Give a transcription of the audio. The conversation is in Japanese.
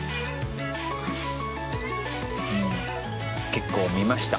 結構見ました。